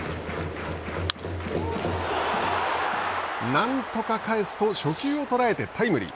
なんとか返すと初球を捉えてタイムリー。